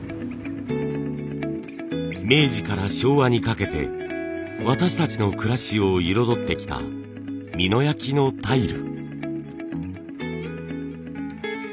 明治から昭和にかけて私たちの暮らしを彩ってきた美濃焼のタイル。